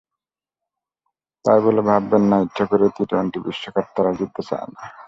তাই বলে ভাববেন না, ইচ্ছে করেই টি-টোয়েন্টি বিশ্বকাপ তারা জিততে চায় না।